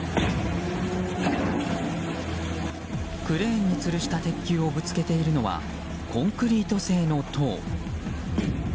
クレーンにつるした鉄球をぶつけているのはコンクリート製の塔。